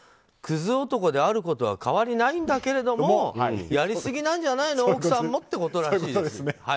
クズ男であることは変わりないんだけれどもやりすぎなんじゃないの奥さんもってことなんですね。